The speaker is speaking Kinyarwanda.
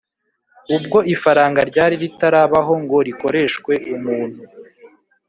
Ubwo ifaranga ryari ritarabaho ngo rikoreshwe umuntu